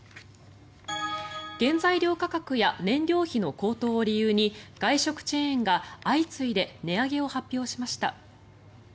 原材料価格や燃料費の高騰を理由に外食チェーンが相次いで値上げを発表しました。